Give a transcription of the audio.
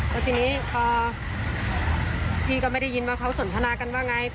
แล้วทีนี้พอพี่ก็ไม่ได้ยินว่าเขาสนทนากันว่าไง